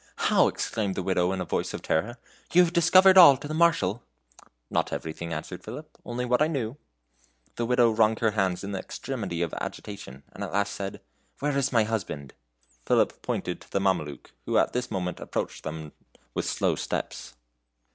"How!" exclaimed the Widow, in a voice of terror, "you have discovered all to the Marshal?" "Not everything," answered Philip, "only what I knew." The Widow wrung her hands in the extremity of agitation, and at last said, "Where is my husband?" Philip pointed to the Mameluke, who at this moment approached them with slow steps.